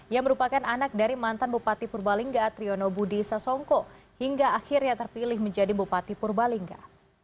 yang merupakan anak dari mantan bupati purbalingga triyono budi sasongko hingga akhirnya terpilih menjadi bupati purbalingga